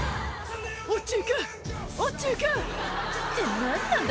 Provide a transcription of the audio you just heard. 「あっち行けあっち行け」って何なんだ